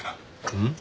うん？